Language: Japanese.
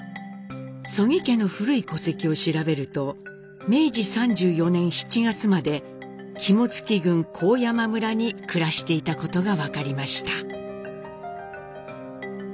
曽木家の古い戸籍を調べると明治３４年７月まで肝属郡高山村に暮らしていたことが分かりました。